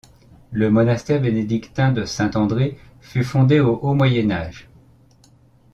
Le monastère bénédictin de Saint-André fut fondé au Haut Moyen Âge.